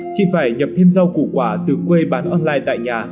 chị phải nhập thêm rau củ quả từ quê bán online tại nhà